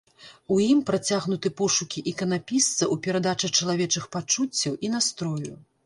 У ім працягнуты пошукі іканапісца ў перадачы чалавечых пачуццяў і настрою.